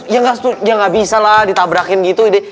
ya nggak ya nggak bisa lah ditabrakin gitu ide